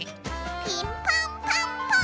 ピンポンパンポーン！